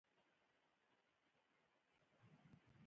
له ژونده ستړي شوي يم نور .